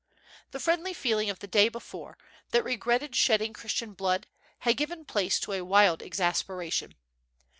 The friendly feeling of the day before, that regretted shedding Christian blood, had given place to a wild exasperation.